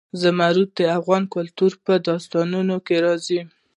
زمرد د افغان کلتور په داستانونو کې راځي.